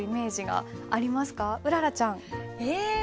うららちゃん。え？